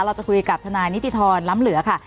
เราจะคุยกับทนายนิติธรรมล้ำเหลือค่ะ